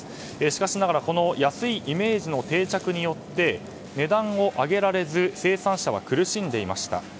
しかしながら安いイメージの定着によって値段を上げられず生産者は苦しんでいました。